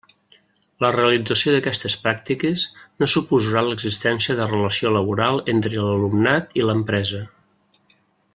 La realització d'aquestes pràctiques no suposarà l'existència de relació laboral entre l'alumnat i l'empresa.